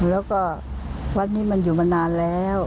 แล้วก็วัดนี้มันอยู่มานานแล้ว